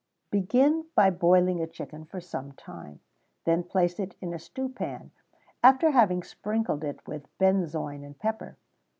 _ Begin by boiling a chicken for some time; then place it in a stew pan, after having sprinkled it with benzoin and pepper.